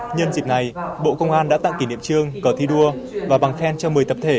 nhân dịp này bộ công an đã tặng kỷ niệm trương cờ thi đua và bằng khen cho một mươi tập thể